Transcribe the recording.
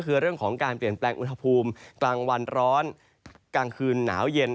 คือเรื่องของการเปลี่ยนแปลงอุณหภูมิกลางวันร้อนกลางคืนหนาวเย็น